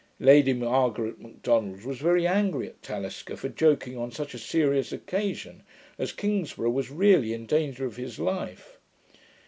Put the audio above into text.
Lady Margaret M'Donald was very angry at Talisker for joking on such a serious occasion, as Kingsburgh was really in danger of his life.